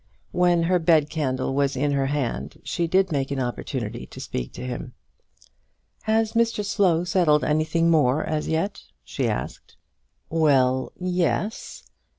When her bed candle was in her hand she did make an opportunity to speak to him. "Has Mr Slow settled anything more as yet?" she asked. "Well, yes.